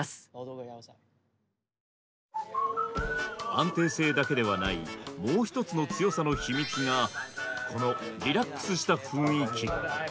安定性だけではないもう一つの強さの秘密がこのリラックスした雰囲気。